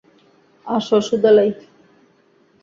আসো, সুদালাই।